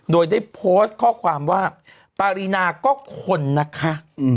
โดยได้โพสต์ข้อความว่าปารีนาก็คนนะคะ